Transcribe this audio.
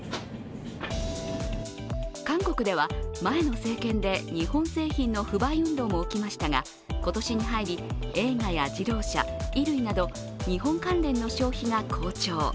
韓国では前の政権で日本製品の不買運動も起きましたが今年に入り、映画や自動車、衣類など日本関連の消費が好調。